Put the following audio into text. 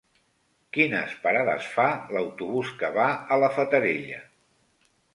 Quines parades fa l'autobús que va a la Fatarella?